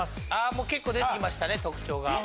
もう結構出てきましたね特徴。